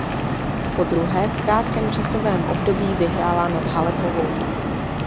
Podruhé v krátkém časovém období vyhrála nad Halepovou.